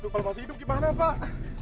kalau masih hidup gimana pak